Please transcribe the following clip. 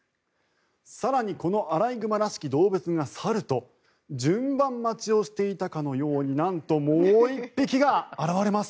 更に、このアライグマらしき動物が去ると順番待ちをしていたかのようになんともう１匹が現れます。